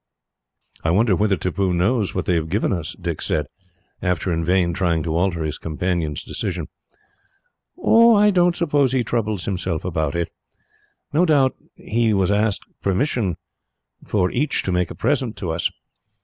"I wonder whether Tippoo knows what they have given us," Dick said, after in vain trying to alter his companion's decision. "I don't suppose he troubled himself about it," Surajah replied. "No doubt he was asked for permission for each to make a present to us.